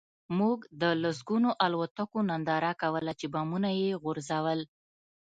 موږ د لسګونو الوتکو ننداره کوله چې بمونه یې غورځول